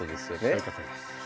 そういうことです。